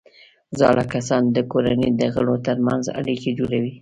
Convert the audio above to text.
زاړه کسان د کورنۍ د غړو ترمنځ اړیکې جوړوي